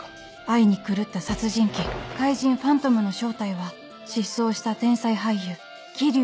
愛に狂った殺人鬼怪人ファントムの正体は失踪した天才俳優霧生